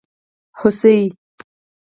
🦌 هوسي